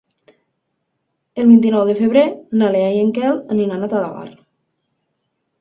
El vint-i-nou de febrer na Lea i en Quel aniran a Talarn.